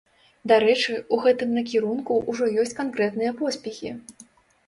Дарэчы, у гэтым накірунку ўжо ёсць канкрэтныя поспехі.